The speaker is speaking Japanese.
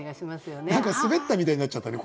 何か滑ったみたいになっちゃったね